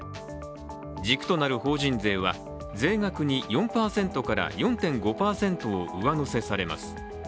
軸となる法人税は、税額に４％から４．５％を上乗せされます。